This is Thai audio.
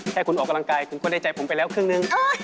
ให้คุณออกกำลังกายคุณก็ได้ใจผมไปแล้วครึ่งนึง